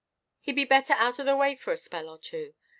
He be better out of the way for a spell or two.